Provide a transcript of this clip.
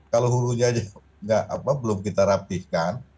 kalau hulunya aja belum kita rapihkan